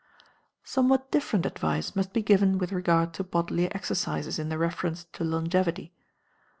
Somewhat different advice must be given with regard to bodily exercises in their reference to longevity.